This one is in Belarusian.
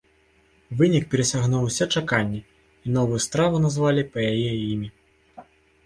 Вынік перасягнуў усе чаканні, і новую страву назвалі па яе імі.